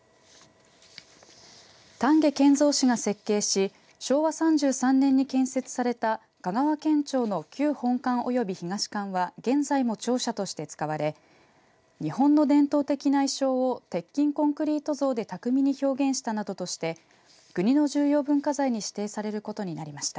丹下健三氏が設計し昭和３３年に建設された香川県庁の旧本館および東館は現在も庁舎として使われ日本の伝統的な意匠を鉄筋コンクリート造で巧みに表現したなどとして国の重要文化財に指定されることになりました。